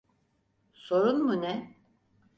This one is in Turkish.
Sorun mu ne?